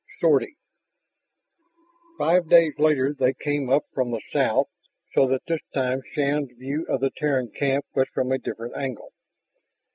4. SORTIE Five days later they came up from the south so that this time Shann's view of the Terran camp was from a different angle.